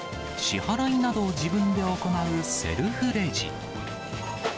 支払いなどを自分で行うセルフレジ。